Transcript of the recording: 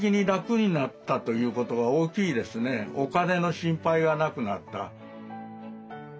お金の心配がなくなった。